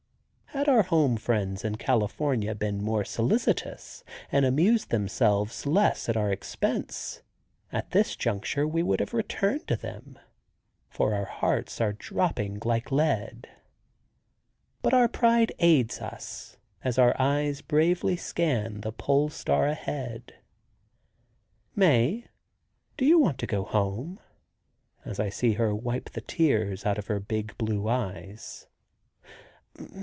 Had our home friends in California been more solicitous, and amused themselves less at our expense, at this juncture we would have returned to them, for our hearts are dropping like lead. But our pride aids us, as our eyes bravely scan the pole star ahead. "Mae, do you want to go home?" as I see her wipe the tears out of her big blue eyes.